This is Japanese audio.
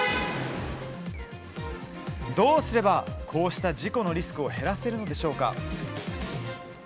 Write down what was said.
どうすればこうした事故のリスクを減らせるのでしょうか。